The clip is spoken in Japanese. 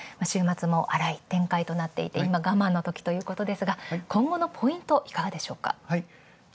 週末も荒い展開となっていて今我慢のときですが今後のポイントいかがでしょうか？